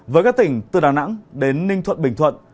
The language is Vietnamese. với các tỉnh từ đà nẵng đến ninh thuận bình thuận